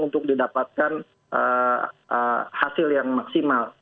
untuk didapatkan hasil yang maksimal